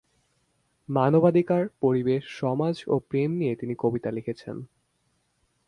মানবাধিকার, পরিবেশ, সমাজ ও প্রেম নিয়ে তিনি কবিতা লিখেছেন।